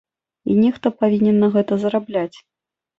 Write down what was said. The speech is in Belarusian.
І нехта павінен на гэта зарабляць.